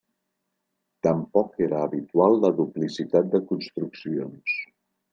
Tampoc era habitual la duplicitat de construccions.